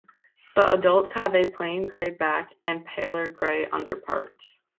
The adults have a plain grey back and paler grey underparts.